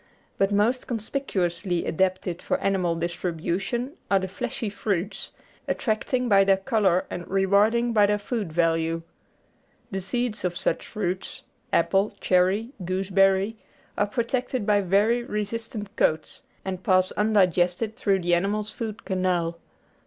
But most conspicuously adapted for animal distribution are the fleshy fruits, attracting by their colour and rewarding by their food value. The seeds of such fruits apple, cherry, gooseberry are protected by very resistant coats, and pass undigested through the animal's food canal.